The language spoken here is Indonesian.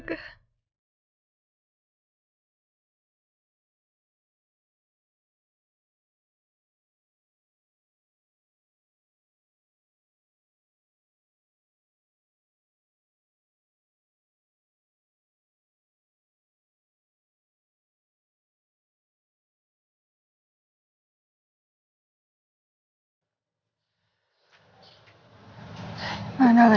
jangan rasa tanpa istri kan